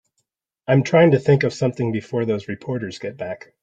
I'm trying to think of something before those reporters get back.